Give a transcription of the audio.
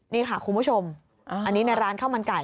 นี่ค่ะคุณผู้ชมอันนี้ในร้านข้าวมันไก่